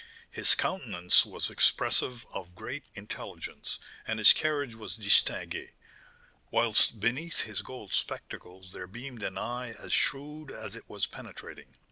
His countenance was expressive of great intelligence, and his carriage was distingué; whilst beneath his gold spectacles there beamed an eye as shrewd as it was penetrating.